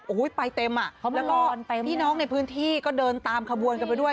โอ้โหไปเต็มอ่ะแล้วก็พี่น้องในพื้นที่ก็เดินตามขบวนกันไปด้วย